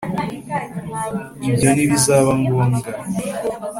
ibyo ntibizaba ngombwa